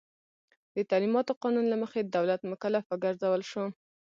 د تعلیماتو قانون له مخې دولت مکلف وګرځول شو.